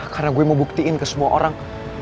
karena gue mau buktiin ke semua orang